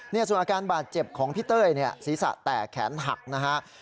เนี่ยส่วนอาการบาดเจ็บของพี่เต้ยเนี่ยศีรษะแตกแขนหักนะฮะ